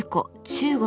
中国